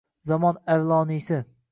Zamon Avloniysi